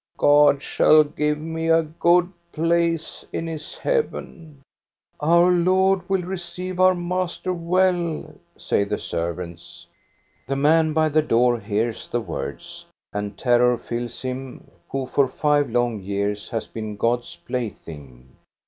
God shall give me a good place in his heaven." " Our Lord will receive our master well," say the servants. The man by the door hears the words, and terror fills him who for five long years has been God's plaything.